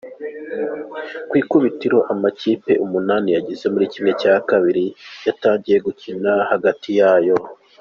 Ku ikubitiro amakipe umunani yageze muri ½ yatangiye gukina hagati yayo.